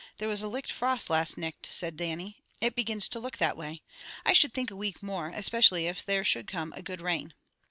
"There was a licht frost last nicht," said Dannie. "It begins to look that way. I should think a week more, especially if there should come a guid rain."